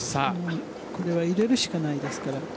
これは入れるしかないですから。